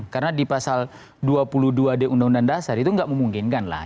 karena di pasal dua puluh dua d undang undang dasar itu nggak memungkinkan lah